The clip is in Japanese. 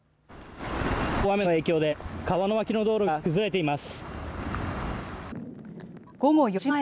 大雨の影響で、川の脇の道路が崩れています。